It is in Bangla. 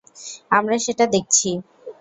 আমরা সেটা দেখছি।